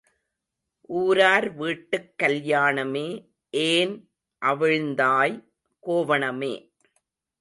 ஊரார் வீட்டுக் கல்யாணமே ஏன் அவிழ்ந்தாய் கோவணமே!